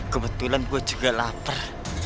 kebetulan gua juga lapar